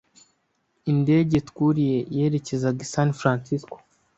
Indege twuriye yerekezaga i San Francisco.